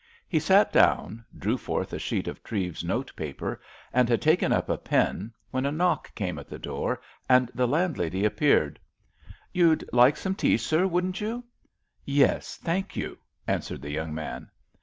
He sat down, drew forth a sheet of Treves's notepaper, and had taken up a pen when a knock came at the door, and the landlady appeared. "You'd like some tea, sir, wouldn't you?" "Yes, thank you," answered the young man.